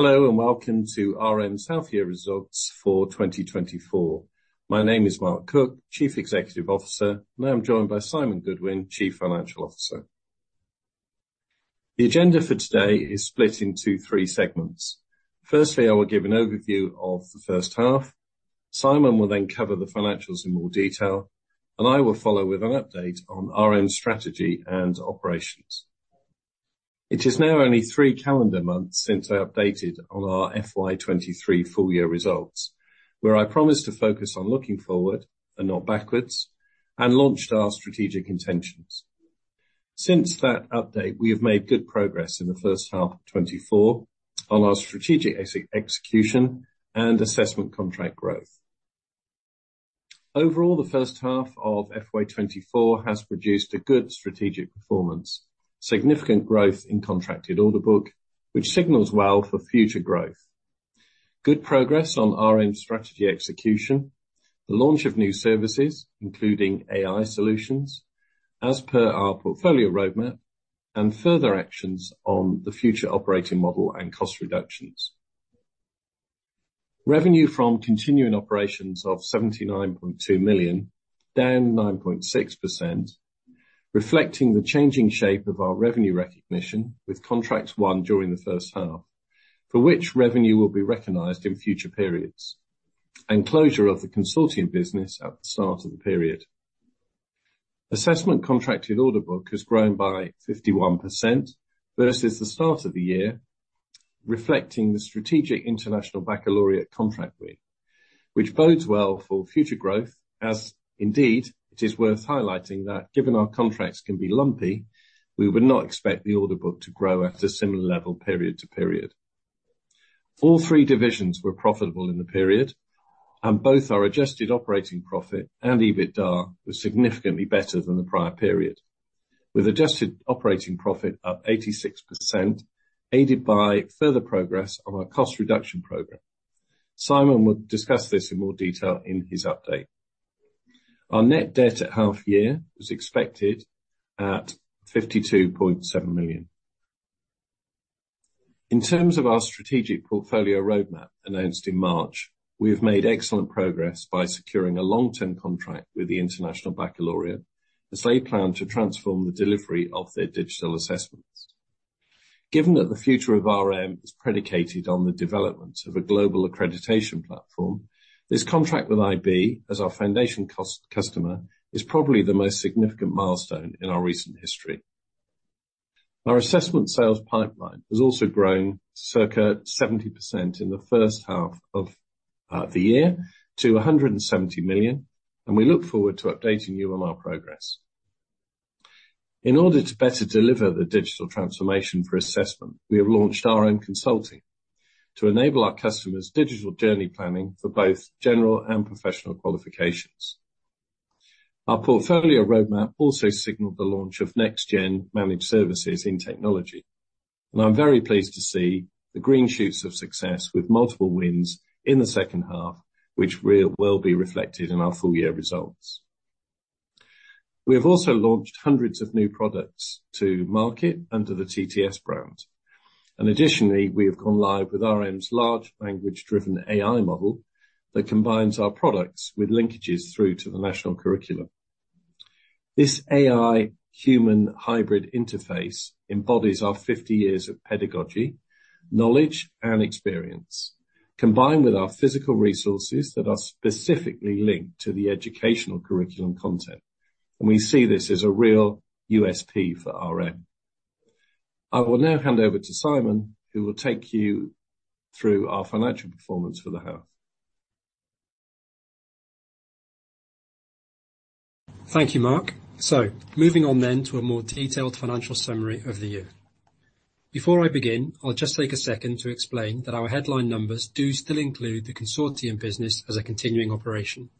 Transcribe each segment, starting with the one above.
Hello, and welcome to RM's half year results for 2024. My name is Mark Cook, Chief Executive Officer, and I'm joined by Simon Goodwin, Chief Financial Officer. The agenda for today is split into three segments. Firstly, I will give an overview of the first half. Simon will then cover the financials in more detail, and I will follow with an update on RM's strategy and operations. It is now only three calendar months since I updated on our FY 2023 full year results, where I promised to focus on looking forward and not backwards, and launched our strategic intentions. Since that update, we have made good progress in the first half of 2024 on our strategic execution and assessment contract growth. Overall, the first half of FY 2024 has produced a good strategic performance, significant growth in contracted order book, which signals well for future growth. Good progress on RM strategy execution, the launch of new services, including AI solutions, as per our portfolio roadmap, and further actions on the future operating model and cost reductions. Revenue from continuing operations of 79.2 million, down 9.6%, reflecting the changing shape of our revenue recognition with contracts won during the first half, for which revenue will be recognized in future periods, and closure of the consulting business at the start of the period. Assessment contracted order book has grown by 51% versus the start of the year, reflecting the strategic International Baccalaureate contract win, which bodes well for future growth, as indeed, it is worth highlighting that given our contracts can be lumpy, we would not expect the order book to grow at a similar level period to period. All three divisions were profitable in the period, and both our adjusted operating profit and EBITDA was significantly better than the prior period, with adjusted operating profit up 86%, aided by further progress on our cost reduction program. Simon will discuss this in more detail in his update. Our net debt at half year was expected at 52.7 million. In terms of our strategic portfolio roadmap announced in March, we have made excellent progress by securing a long-term contract with the International Baccalaureate, as they plan to transform the delivery of their digital assessments. Given that the future of RM is predicated on the development of a global accreditation platform, this contract with IB, as our foundation customer, is probably the most significant milestone in our recent history. Our assessment sales pipeline has also grown circa 70% in the first half of the year to 170 million, and we look forward to updating you on our progress. In order to better deliver the digital transformation for assessment, we have launched RM Consulting to enable our customers digital journey planning for both general and professional qualifications. Our portfolio roadmap also signaled the launch of next gen managed services in technology, and I'm very pleased to see the green shoots of success with multiple wins in the second half, which will be reflected in our full year results. We have also launched hundreds of new products to market under the TTS brand, and additionally, we have gone live with RM's large language-driven AI model that combines our products with linkages through to the national curriculum. This AI human hybrid interface embodies our 50 years of pedagogy, knowledge, and experience, combined with our physical resources that are specifically linked to the educational curriculum content, and we see this as a real USP for RM. I will now hand over to Simon, who will take you through our financial performance for the half. Thank you, Mark. Moving on then to a more detailed financial summary of the year. Before I begin, I'll just take a second to explain that our headline numbers do still include the Consortium business as a continuing operation.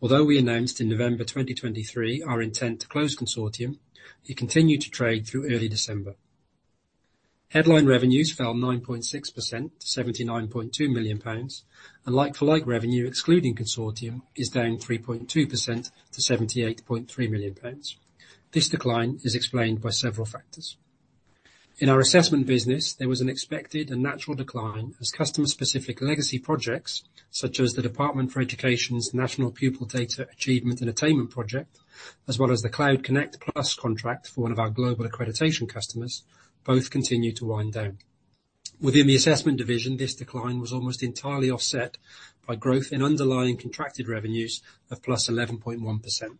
Although we announced in November 2023 our intent to close Consortium, it continued to trade through early December. Headline revenues fell 9.6% to 79.2 million pounds, and like-for-like revenue, excluding Consortium, is down 3.2% to 78.3 million pounds. This decline is explained by several factors. In our assessment business, there was an expected and natural decline as customer-specific legacy projects, such as the Department for Education's National Pupil Data Achievement and Attainment project, as well as the Cloud Connect Plus contract for one of our global accreditation customers, both continued to wind down. Within the assessment division, this decline was almost entirely offset by growth in underlying contracted revenues of +11.1%.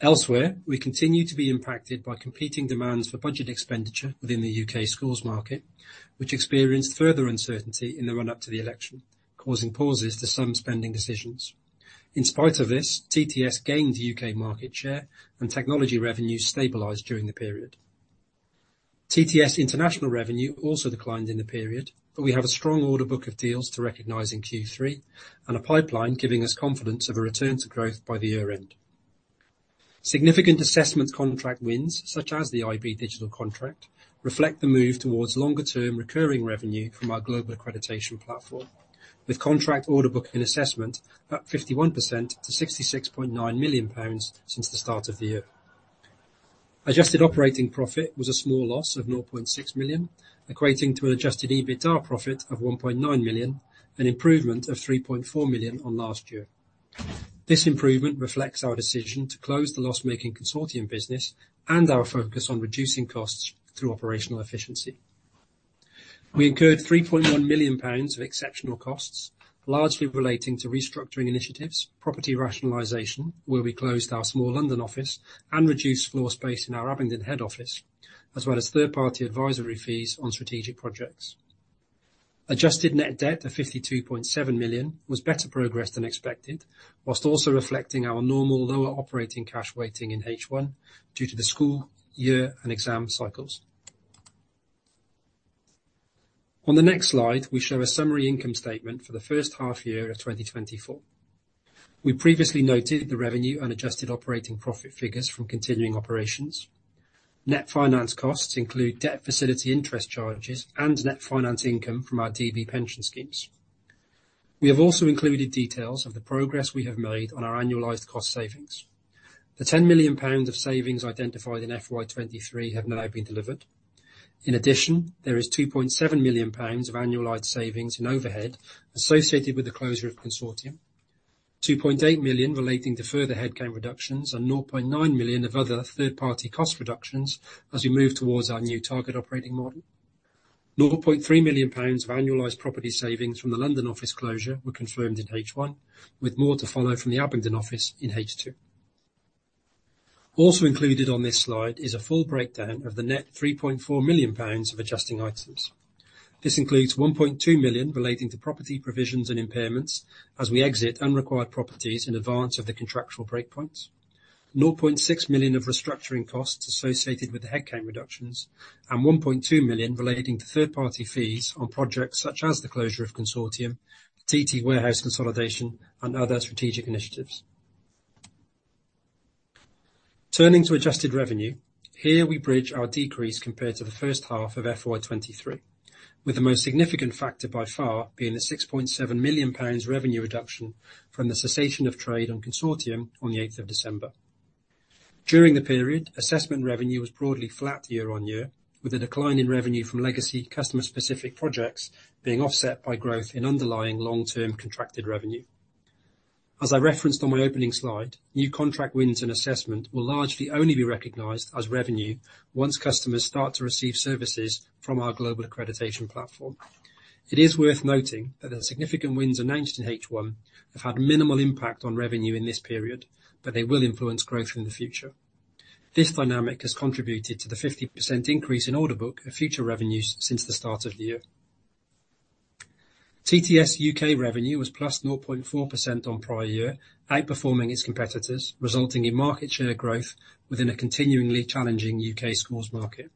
Elsewhere, we continued to be impacted by competing demands for budget expenditure within the U.K. schools market, which experienced further uncertainty in the run-up to the election, causing pauses to some spending decisions. In spite of this, TTS gained U.K. market share and technology revenues stabilized during the period. TTS international revenue also declined in the period, but we have a strong order book of deals to recognize in Q3 and a pipeline giving us confidence of a return to growth by the year-end. Significant assessment contract wins, such as the IB digital contract, reflect the move towards longer-term recurring revenue from our global accreditation platform, with contract order book and assessment up 51% to 66.9 million pounds since the start of the year.... Adjusted operating profit was a small loss of 0.6 million, equating to an adjusted EBITDA profit of 1.9 million, an improvement of 3.4 million on last year. This improvement reflects our decision to close the loss-making Consortium business, and our focus on reducing costs through operational efficiency. We incurred 3.1 million pounds of exceptional costs, largely relating to restructuring initiatives, property rationalization, where we closed our small London office and reduced floor space in our Abingdon head office, as well as third-party advisory fees on strategic projects. Adjusted net debt of 52.7 million was better progress than expected, while also reflecting our normal lower operating cash weighting in H1, due to the school year and exam cycles. On the next slide, we show a summary income statement for the first half year of 2024. We previously noted the revenue and adjusted operating profit figures from continuing operations. Net finance costs include debt facility interest charges, and net finance income from our DB pension schemes. We have also included details of the progress we have made on our annualized cost savings. The 10 million pounds of savings identified in FY 2023 have now been delivered. In addition, there is 2.7 million pounds of annualized savings in overhead associated with the closure of The Consortium, 2.8 million relating to further headcount reductions, and 0.9 million of other third-party cost reductions as we move towards our new target operating model. 0.3 million pounds of annualized property savings from the London office closure were confirmed in H1, with more to follow from the Abingdon office in H2. Also included on this slide is a full breakdown of the net 3.4 million pounds of adjusting items. This includes 1.2 million relating to property provisions and impairments as we exit unrequired properties in advance of the contractual breakpoints, 0.6 million of restructuring costs associated with the headcount reductions, and 1.2 million relating to third-party fees on projects such as the closure of Consortium, TTS warehouse consolidation, and other strategic initiatives. Turning to adjusted revenue, here we bridge our decrease compared to the first half of FY 2023, with the most significant factor by far being the 6.7 million pounds revenue reduction from the cessation of trade on Consortium on the 8 of December. During the period, assessment revenue was broadly flat year-on-year, with a decline in revenue from legacy customer-specific projects being offset by growth in underlying long-term contracted revenue. As I referenced on my opening slide, new contract wins and assessment will largely only be recognized as revenue once customers start to receive services from our global accreditation platform. It is worth noting that the significant wins announced in H1 have had minimal impact on revenue in this period, but they will influence growth in the future. This dynamic has contributed to the 50% increase in order book of future revenues since the start of the year. TTS U.K. revenue was +0.4% on prior year, outperforming its competitors, resulting in market share growth within a continuingly challenging U.K. schools market.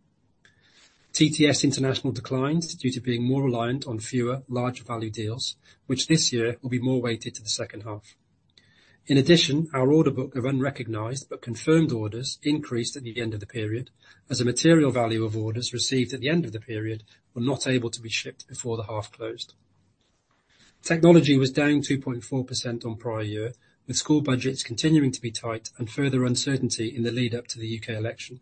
TTS International declines due to being more reliant on fewer, larger value deals, which this year will be more weighted to the second half. In addition, our order book of unrecognized, but confirmed orders increased at the end of the period, as a material value of orders received at the end of the period were not able to be shipped before the half closed. Technology was down 2.4% on prior year, with school budgets continuing to be tight and further uncertainty in the lead-up to the U.K. election.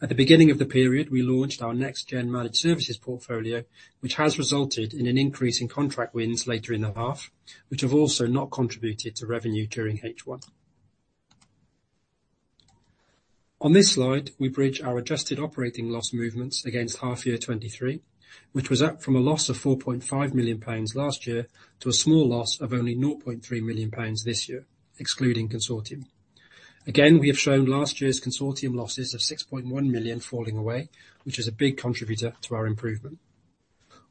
At the beginning of the period, we launched our next-gen managed services portfolio, which has resulted in an increase in contract wins later in the half, which have also not contributed to revenue during H1. On this slide, we bridge our adjusted operating loss movements against half year 2023, which was up from a loss of 4.5 million pounds last year to a small loss of only 0.3 million pounds this year, excluding Consortium. Again, we have shown last year's Consortium losses of 6.1 million falling away, which is a big contributor to our improvement.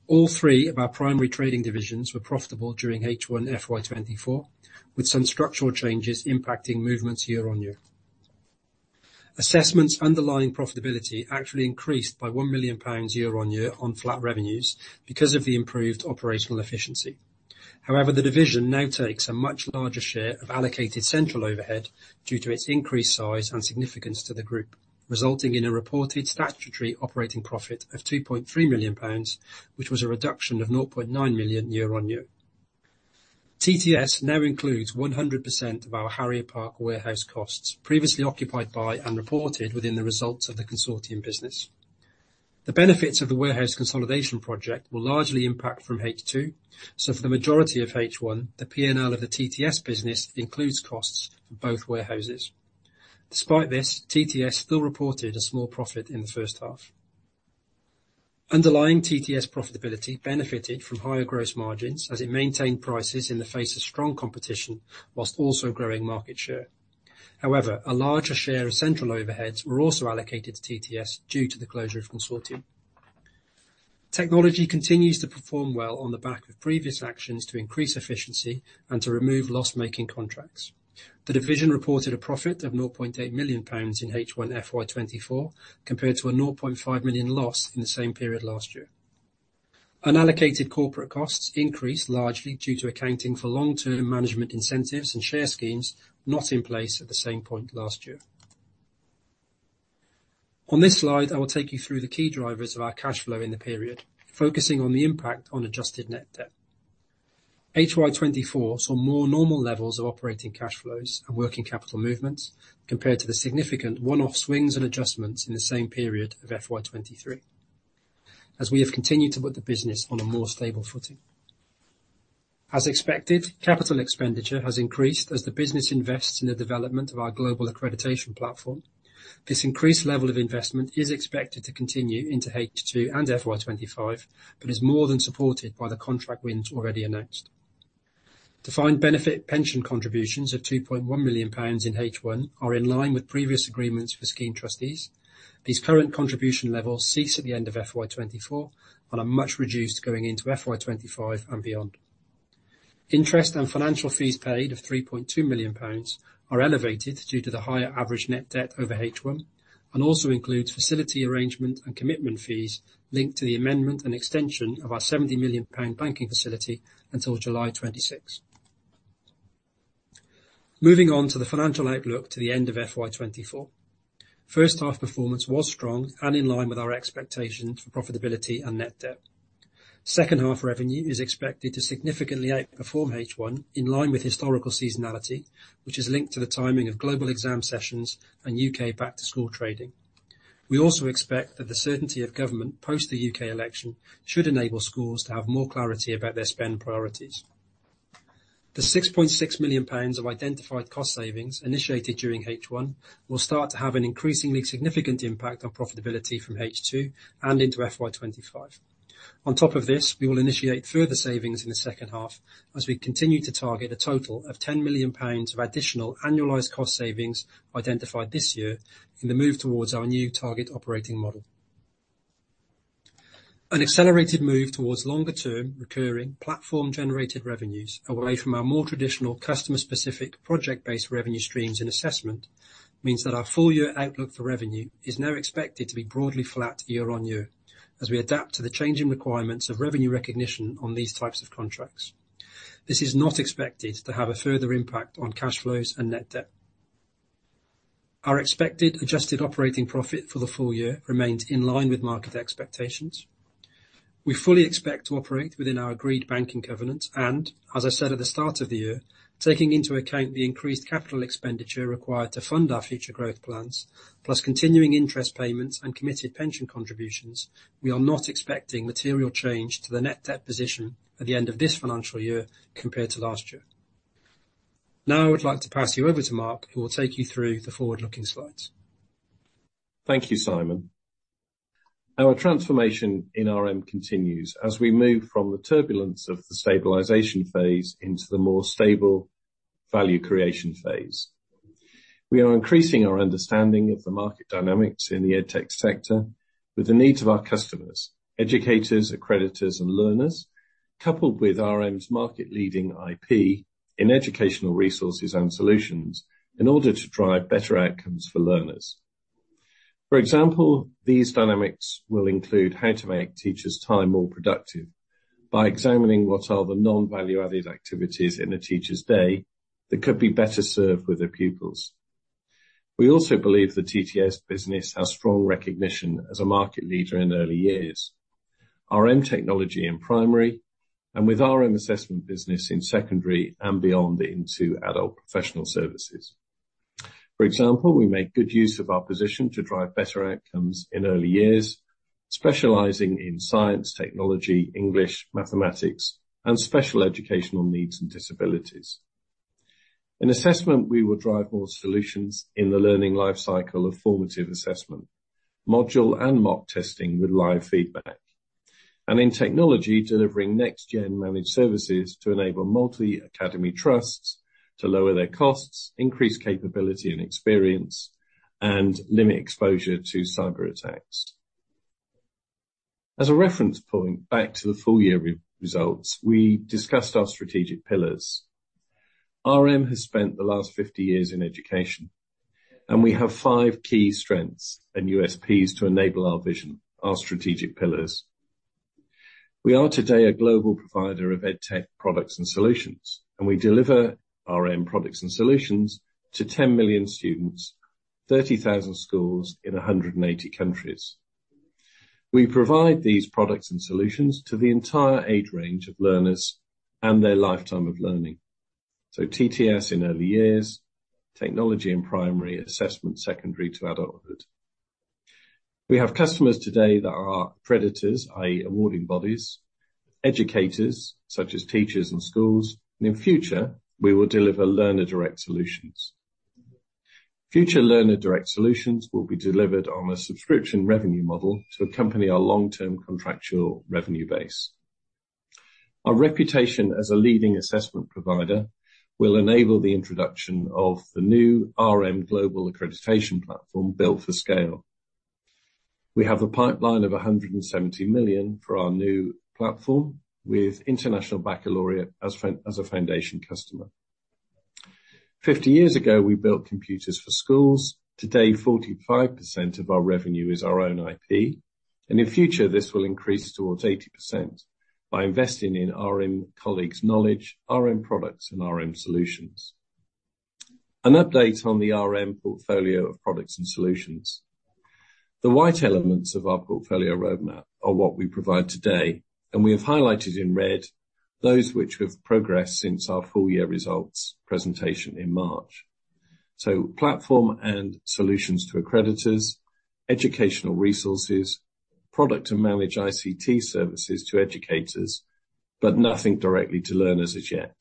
All three of our primary trading divisions were profitable during H1 FY 2024, with some structural changes impacting movements year-on-year. Assessments underlying profitability actually increased by 1 million pounds year-on-year on flat revenues because of the improved operational efficiency. However, the division now takes a much larger share of allocated central overhead due to its increased size and significance to the group, resulting in a reported statutory operating profit of GBP 2.3 million, which was a reduction of 0.9 million year-on-year. TTS now includes 100% of our Harrier Park warehouse costs, previously occupied by and reported within the results of the Consortium business. The benefits of the warehouse consolidation project will largely impact from H2, so for the majority of H1, the PNL of the TTS business includes costs for both warehouses. Despite this, TTS still reported a small profit in the first half. Underlying TTS profitability benefited from higher gross margins as it maintained prices in the face of strong competition, while also growing market share. However, a larger share of central overheads were also allocated to TTS due to the closure of Consortium. Technology continues to perform well on the back of previous actions to increase efficiency and to remove loss-making contracts. The division reported a profit of 0.8 million pounds in H1 FY 2024, compared to a 0.5 million loss in the same period last year. Unallocated corporate costs increased largely due to accounting for long-term management incentives and share schemes not in place at the same point last year. On this slide, I will take you through the key drivers of our cash flow in the period, focusing on the impact on adjusted net debt. H1 2024 saw more normal levels of operating cash flows and working capital movements compared to the significant one-off swings and adjustments in the same period of FY 2023, as we have continued to put the business on a more stable footing. As expected, capital expenditure has increased as the business invests in the development of our global accreditation platform. This increased level of investment is expected to continue into H2 and FY 2025, but is more than supported by the contract wins already announced. Defined benefit pension contributions of 2.1 million pounds in H1 are in line with previous agreements for scheme trustees. These current contribution levels cease at the end of FY 2024 and are much reduced going into FY 2025 and beyond. Interest and financial fees paid of 3.2 million pounds are elevated due to the higher average net debt over H1, and also includes facility arrangement and commitment fees linked to the amendment and extension of our 70 million pound banking facility until July 2026. Moving on to the financial outlook to the end of FY 2024. First half performance was strong and in line with our expectations for profitability and net debt. Second half revenue is expected to significantly outperform H1, in line with historical seasonality, which is linked to the timing of global exam sessions and U.K. back-to-school trading. We also expect that the certainty of government post the U.K. election should enable schools to have more clarity about their spend priorities. The 6.6 million pounds of identified cost savings initiated during H1 will start to have an increasingly significant impact on profitability from H2 and into FY 2025. On top of this, we will initiate further savings in the second half as we continue to target a total of 10 million pounds of additional annualized cost savings identified this year in the move towards our new target operating model. An accelerated move towards longer-term, recurring, platform-generated revenues away from our more traditional customer-specific, project-based revenue streams in assessment, means that our full-year outlook for revenue is now expected to be broadly flat year-on-year, as we adapt to the changing requirements of revenue recognition on these types of contracts. This is not expected to have a further impact on cash flows and net debt. Our expected adjusted operating profit for the full year remains in line with market expectations. We fully expect to operate within our agreed banking covenants and, as I said at the start of the year, taking into account the increased capital expenditure required to fund our future growth plans, plus continuing interest payments and committed pension contributions, we are not expecting material change to the net debt position at the end of this financial year compared to last year. Now I would like to pass you over to Mark, who will take you through the forward-looking slides. Thank you, Simon. Our transformation in RM continues as we move from the turbulence of the stabilization phase into the more stable value creation phase. We are increasing our understanding of the market dynamics in the edtech sector with the needs of our customers, educators, accreditors, and learners, coupled with RM's market-leading IP in educational resources and solutions in order to drive better outcomes for learners. For example, these dynamics will include how to make teachers' time more productive by examining what are the non-value-added activities in a teacher's day that could be better served with their pupils. We also believe the TTS business has strong recognition as a market leader in early years. RM technology in primary and with RM assessment business in secondary and beyond into adult professional services. For example, we make good use of our position to drive better outcomes in early years, specializing in science, technology, English, mathematics, and special educational needs and disabilities. In assessment, we will drive more solutions in the learning lifecycle of formative assessment, module and mock testing with live feedback, and in technology, delivering next-gen managed services to enable multi-academy trusts to lower their costs, increase capability and experience, and limit exposure to cyber attacks. As a reference point, back to the full-year results, we discussed our strategic pillars. RM has spent the last 50 years in education, and we have five key strengths and USPs to enable our vision, our strategic pillars. We are today a global provider of EdTech products and solutions, and we deliver RM products and solutions to 10 million students, 30,000 schools in 180 countries. We provide these products and solutions to the entire age range of learners and their lifetime of learning. So TTS in early years, technology in primary, assessment, secondary to adulthood. We have customers today that are accreditors, i.e., awarding bodies, educators, such as teachers and schools, and in future, we will deliver learner-direct solutions. Future learner-direct solutions will be delivered on a subscription revenue model to accompany our long-term contractual revenue base. Our reputation as a leading assessment provider will enable the introduction of the new RM Global Accreditation Platform built for scale. We have a pipeline of 170 million for our new platform, with International Baccalaureate as a foundation customer. 50 years ago, we built computers for schools. Today, 45% of our revenue is our own IP, and in future, this will increase towards 80% by investing in RM colleagues' knowledge, RM products, and RM solutions. An update on the RM portfolio of products and solutions. The white elements of our portfolio roadmap are what we provide today, and we have highlighted in red those which we've progressed since our full year results presentation in March. So platform and solutions to accreditors, educational resources, product to manage ICT services to educators, but nothing directly to learners as yet.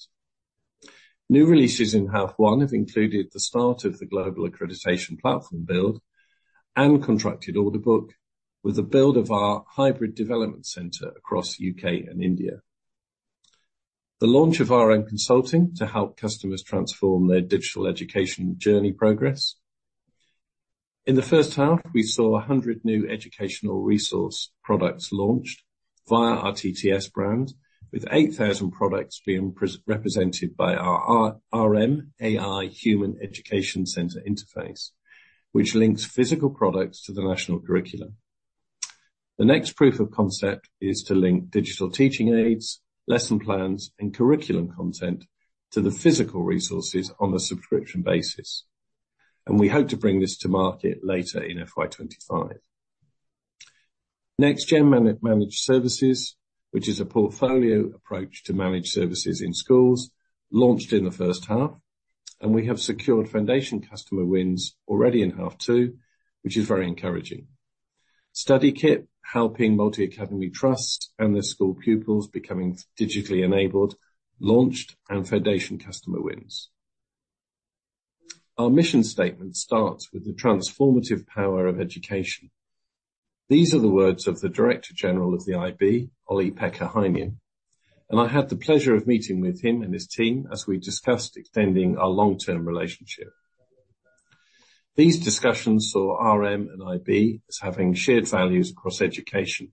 New releases in half one have included the start of the global accreditation platform build and contracted order book with the build of our hybrid development center across U.K. and India. The launch of RM Consulting to help customers transform their digital education journey progress. In the first half, we saw 100 new educational resource products launched via our TTS brand, with 8,000 products being represented by our RM AI Human Education Center interface, which links physical products to the national curriculum. The next proof of concept is to link digital teaching aids, lesson plans, and curriculum content to the physical resources on a subscription basis, and we hope to bring this to market later in FY 2025. Next gen managed services, which is a portfolio approach to managed services in schools, launched in the first half, and we have secured foundation customer wins already in half two, which is very encouraging. StudyKit, helping multi-academy trust and their school pupils becoming digitally enabled, launched, and foundation customer wins. Our mission statement starts with the transformative power of education. These are the words of the Director General of the IB, Olli-Pekka Heinonen, and I had the pleasure of meeting with him and his team as we discussed extending our long-term relationship. These discussions saw RM and IB as having shared values across education,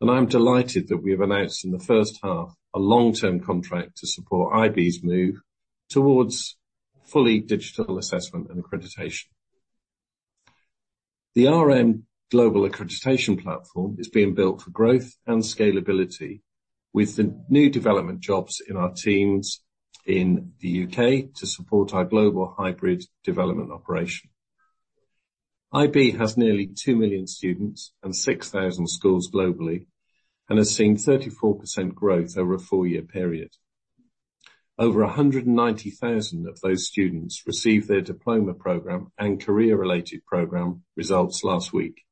and I'm delighted that we have announced in the first half, a long-term contract to support IB's move towards fully digital assessment and accreditation. The RM Global Accreditation Platform is being built for growth and scalability, with the new development jobs in our teams in the U.K. to support our global hybrid development operation. IB has nearly 2 million students and 6,000 schools globally and has seen 34% growth over a four-year period. Over 190,000 of those students received their diploma program and career-related program results last week,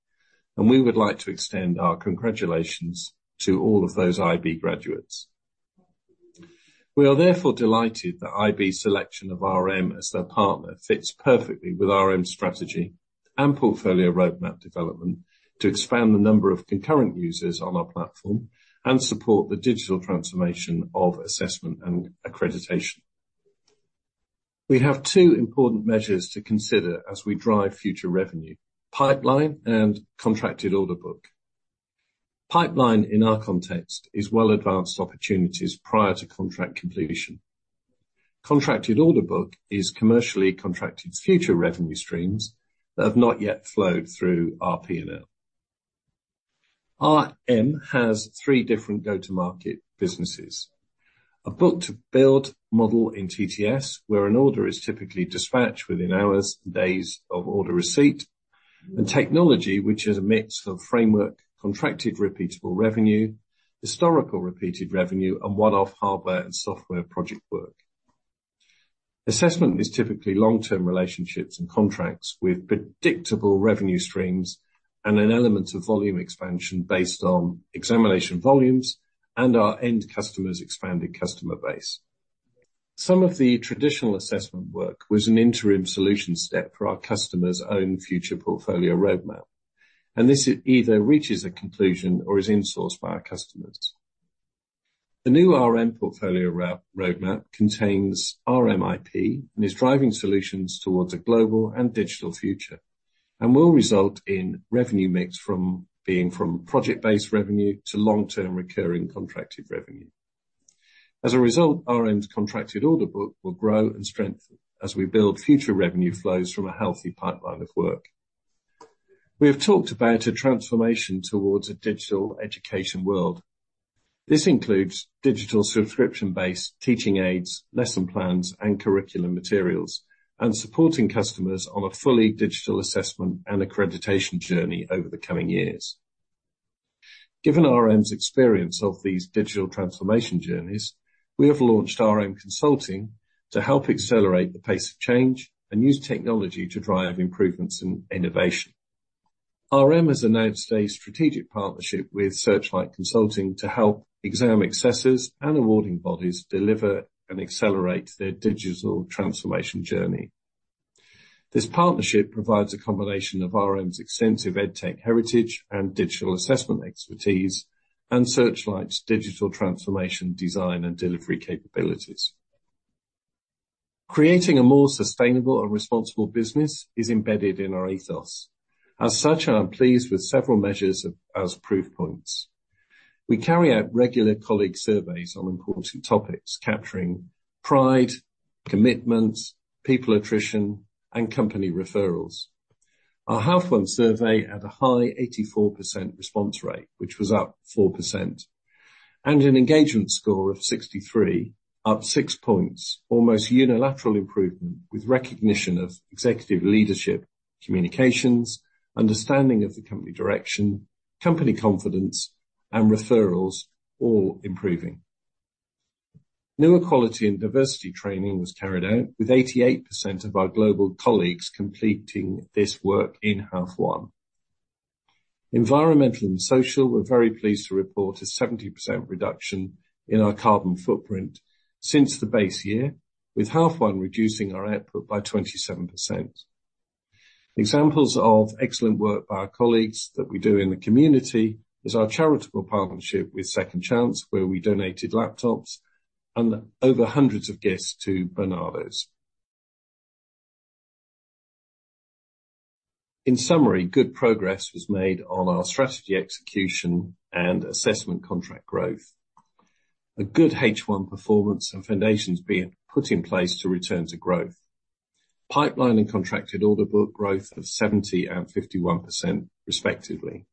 and we would like to extend our congratulations to all of those IB graduates. We are therefore delighted that IB's selection of RM as their partner fits perfectly with RM's strategy and portfolio roadmap development to expand the number of concurrent users on our platform and support the digital transformation of assessment and accreditation. We have two important measures to consider as we drive future revenue: pipeline and contracted order book. Pipeline, in our context, is well-advanced opportunities prior to contract completion. Contracted order book is commercially contracted future revenue streams that have not yet flowed through our P&L. RM has three different go-to-market businesses. A book-to-build model in TTS, where an order is typically dispatched within hours, days of order receipt, and technology, which is a mix of framework, contracted repeatable revenue, historical repeated revenue, and one-off hardware and software project work. Assessment is typically long-term relationships and contracts with predictable revenue streams and an element of volume expansion based on examination volumes and our end customers' expanding customer base. Some of the traditional assessment work was an interim solution step for our customers' own future portfolio roadmap, and this either reaches a conclusion or is insourced by our customers. The new RM portfolio roadmap contains RMIP and is driving solutions towards a global and digital future and will result in revenue mix from being from project-based revenue to long-term recurring contracted revenue. As a result, RM's contracted order book will grow and strengthen as we build future revenue flows from a healthy pipeline of work. We have talked about a transformation towards a digital education world. This includes digital subscription-based teaching aids, lesson plans, and curriculum materials, and supporting customers on a fully digital assessment and accreditation journey over the coming years. Given RM's experience of these digital transformation journeys, we have launched RM Consulting to help accelerate the pace of change and use technology to drive improvements and innovation. RM has announced a strategic partnership with Searchlight Consulting to help exam assessors and awarding bodies deliver and accelerate their digital transformation journey. This partnership provides a combination of RM's extensive EdTech heritage and digital assessment expertise, and Searchlight's digital transformation design and delivery capabilities. Creating a more sustainable and responsible business is embedded in our ethos. As such, I'm pleased with several measures as proof points. We carry out regular colleague surveys on important topics, capturing pride, commitment, people attrition, and company referrals. Our half one survey had a high 84% response rate, which was up 4%, and an engagement score of 63, up six points. Almost unilateral improvement, with recognition of executive leadership, communications, understanding of the company direction, company confidence and referrals all improving. New equality and diversity training was carried out, with 88% of our global colleagues completing this work in half one. Environmental and social, we're very pleased to report a 70% reduction in our carbon footprint since the base year, with half one reducing our output by 27%. Examples of excellent work by our colleagues that we do in the community is our charitable partnership with Second Chance, where we donated laptops and over hundreds of gifts to Barnardo's. In summary, good progress was made on our strategy, execution, and assessment contract growth. A good H1 performance and foundations being put in place to return to growth. Pipeline and contracted order book growth of 70% and 51%, respectively.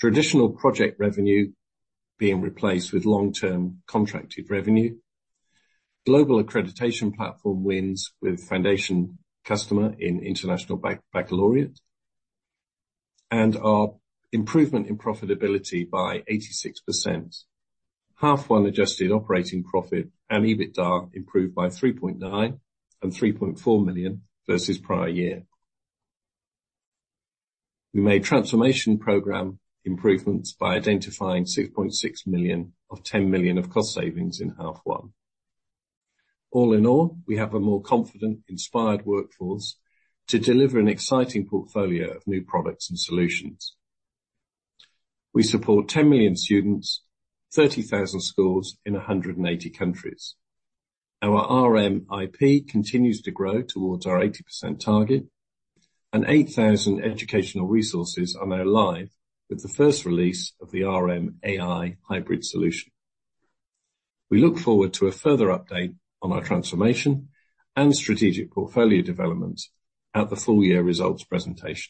Traditional project revenue being replaced with long-term contracted revenue. Global accreditation platform wins with foundation customer in International Baccalaureate, and our improvement in profitability by 86%. Half one adjusted operating profit and EBITDA improved by 3.9 million and 3.4 million versus prior year. We made transformation program improvements by identifying 6.6 million of 10 million of cost savings in half one. All in all, we have a more confident, inspired workforce to deliver an exciting portfolio of new products and solutions. We support 10 million students, 30,000 schools in 180 countries. Our RMIP continues to grow towards our 80% target, and 8,000 educational resources are now live with the first release of the RMAI hybrid solution. We look forward to a further update on our transformation and strategic portfolio development at the full year results presentation.